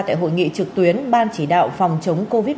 tại hội nghị trực tuyến ban chỉ đạo phòng chống covid một mươi chín